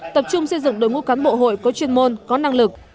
tập trung xây dựng đội ngũ cán bộ hội có chuyên môn có năng lực